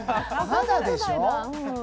まだでしょう。